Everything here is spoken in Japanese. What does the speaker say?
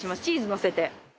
チーズのせて。